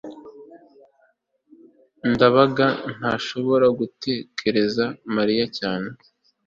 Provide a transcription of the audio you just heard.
ndabaga ntashobora gutegereza mariya cyane